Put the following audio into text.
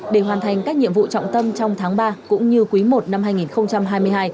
để hoàn thành các nhiệm vụ trọng tâm trong tháng ba cũng như quý i năm hai nghìn hai mươi hai